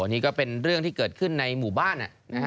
นี่ก็เป็นเรื่องที่เกิดขึ้นในหมู่บ้าน